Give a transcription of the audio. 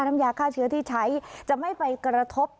น้ำยาฆ่าเชื้อที่ใช้จะไม่ไปกระทบ